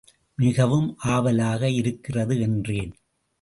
மிகவும் ஆவலாக இருக்கிறது என்றேன்.